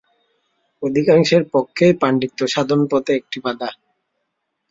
অধিকাংশের পক্ষেই পাণ্ডিত্য সাধন-পথে একটি বাধা।